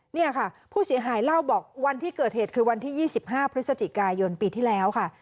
เนี่ยค่ะผู้เสียหายเล่าบอกวันที่เกิดเหตุคือวันที่๒๕พฤศจิกายนปีที่แล้วค่ะ